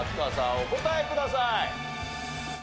お答えください。